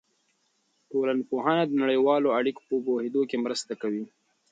ټولنپوهنه د نړیوالو اړیکو په پوهېدو کې مرسته کوي.